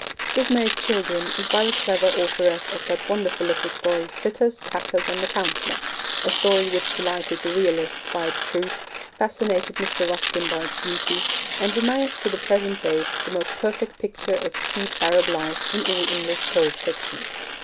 Ismay's Children is by the clever authoress of that wonderful little story Flitters, Tatters, and the Counsellor, a story which delighted the realists by its truth, fascinated Mr. Ruskin by its beauty, and remains to the present day the most perfect picture of street arab life in all English prose fiction.